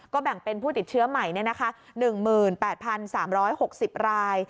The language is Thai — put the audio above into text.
แบ่งเป็นผู้ติดเชื้อใหม่๑๘๓๖๐ราย